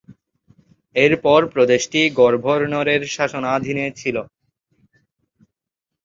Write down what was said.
এরপর প্রদেশটি গভর্নরের শাসনাধীন ছিল।